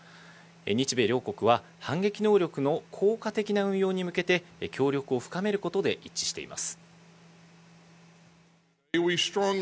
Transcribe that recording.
日米両国は反撃能力の効果的な運用に向けて協力を深めていくことで一致しています。